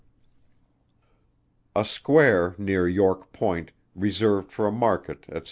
A square near York Point, reserved for a Market, &c.